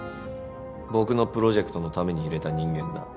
僕のプロジェクトのために入れた人間だ。